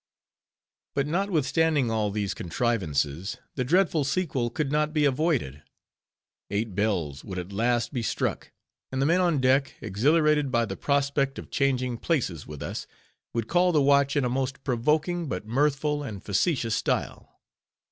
But notwithstanding all these contrivances, the dreadful sequel could not be avoided. Eight bells would at last be struck, and the men on deck, exhilarated by the prospect of changing places with us, would call the watch in a most provoking but mirthful and facetious style.